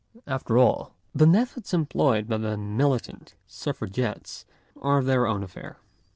After all, the methods employed by the mili tant Suffragettes are their own affair.